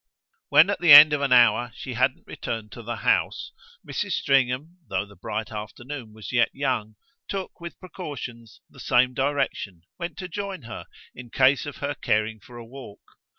When at the end of an hour she hadn't returned to the house Mrs. Stringham, though the bright afternoon was yet young, took, with precautions, the same direction, went to join her in case of her caring for a walk.